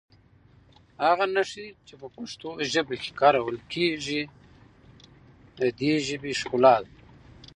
هغه نښې چې په پښتو ژبه کې کارول کېږي د دې ژبې ښکلا ده.